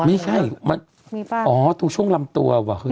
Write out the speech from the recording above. ไม่ใช่อ๋อตรงช่วงลำตัวว่ะคือ